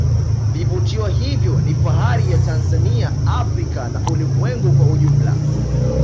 vivutio hivyo ni fahari ya tanzania africa na ulimwengu kwa ujumla